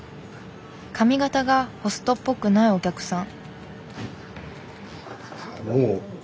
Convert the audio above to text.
髪形がホストっぽくないお客さん。